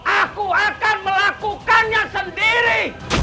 aku akan melakukannya sendiri